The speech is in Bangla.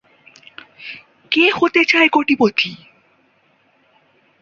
কে হতে চায় কোটিপতি?